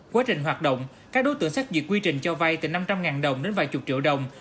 quá trình hoạt động các đối tượng xác duyệt quy trình cho vay từ năm trăm linh đồng đến vài chục triệu đồng